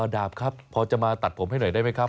ดาบครับพอจะมาตัดผมให้หน่อยได้ไหมครับ